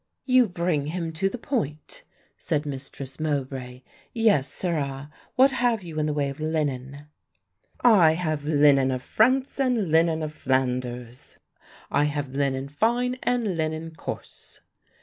"You bring him to the point," said Mistress Mowbray; "yes, sirrah, what have you in the way of linen?" "I have linen of France and linen of Flanders; I have linen fine and linen coarse."